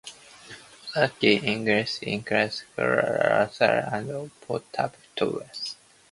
Other key ingredients include cabbage, carrots, onions, and potatoes.